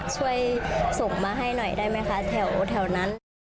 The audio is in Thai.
ช่วยส่งมาให้หน่อยได้ไหมคะแถวนั้น